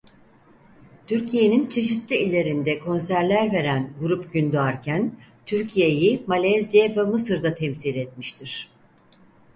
Türkiye'nin çeşitli illerinde konserler veren "Grup Gündoğarken" Türkiye'yi Malezya ve Mısır'da temsil etmiştir.